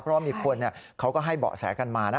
เพราะมีคนเนี่ยเขาก็ให้เบาะแสกันมานะ